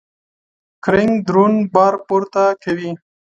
کرینګ درون بار پورته کوي.